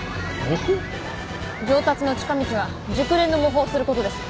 上達の近道は熟練の模倣をすることです。